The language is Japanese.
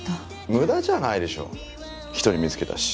無駄じゃないでしょ１人見つけたし。